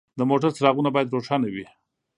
د موټر څراغونه باید روښانه وي.